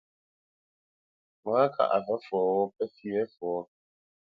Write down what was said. Ŋo wâ kâʼ a və̌ fwoghó pə fî wé fwoghó.